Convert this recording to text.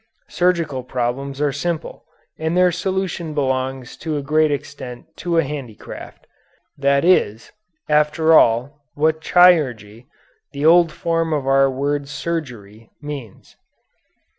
Surgical problems are simple, and their solution belongs to a great extent to a handicraft. That is, after all, what chirurgy, the old form of our word surgery, means.